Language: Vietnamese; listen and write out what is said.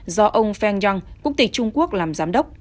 do ông feng yong quốc tịch trung quốc làm giám đốc